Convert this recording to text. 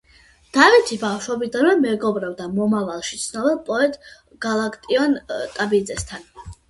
დავითი ბავშვობიდანვე მეგობრობდა მომავალში ცნობილ პოეტ გალაკტიონ ტაბიძესთან.